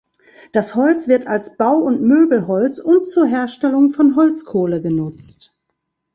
Das Holz wird als Bau- und Möbelholz und zur Herstellung von Holzkohle genutzt.